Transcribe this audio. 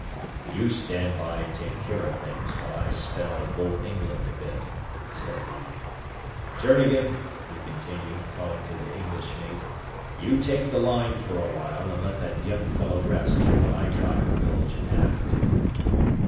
"You stand by and take care of things while I spell Bull England a bit," said he. "Journegan," he continued, calling to the English mate, "you take the line for a while, and let that young fellow rest, while I try her bilge aft."